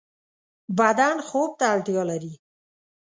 بدن خوب ته اړتیا لری